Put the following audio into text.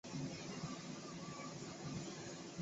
是上桥菜穗子异世界幻想小说的系列作品。